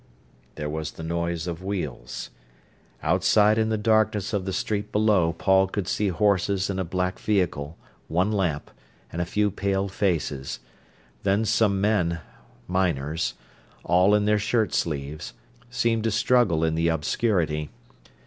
There was the noise of wheels. Outside in the darkness of the street below Paul could see horses and a black vehicle, one lamp, and a few pale faces; then some men, miners, all in their shirt sleeves, seemed to struggle in the obscurity.